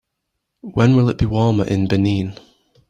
When will it be warmer in Benin